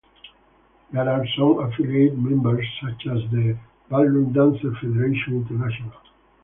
There are some Affiliate members, such as the Ballroom Dancers Federation International.